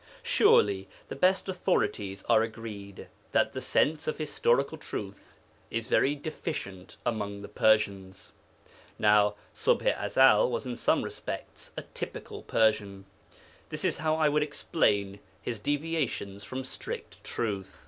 Surely the best authorities are agreed that the sense of historical truth is very deficient among the Persians. Now Ṣubḥ i Ezel was in some respects a typical Persian; that is how I would explain his deviations from strict truth.